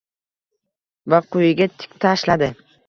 va quyiga tik tashladi.